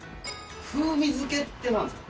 「風味漬」ってなんですか？